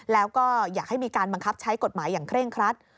แล้วก็อยากให้มีการบังคับใช้กฎหมายอย่างเคร่งครัด